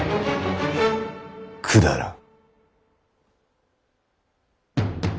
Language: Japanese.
くだらん。